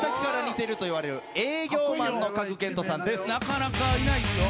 なかなかいないですよ。